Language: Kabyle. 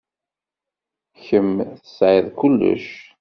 Kemm tesɛiḍ kullec.